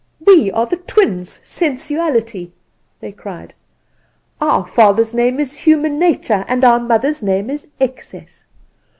"'We are the twins Sensuality,' they cried. 'Our father's name is Human Nature, and our mother's name is Excess.